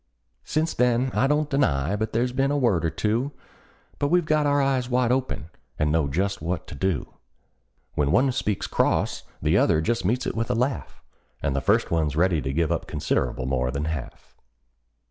Since then I don't deny but there's been a word or two; But we've got our eyes wide open, and know just what to do: When one speaks cross the other just meets it with a laugh, And the first one's ready to give up considerable more than half.